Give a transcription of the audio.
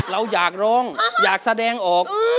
เราอยากร้องอยากแสดงออก